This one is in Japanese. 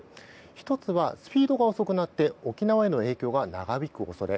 １つはスピードが遅くなって沖縄への影響が長引く恐れ。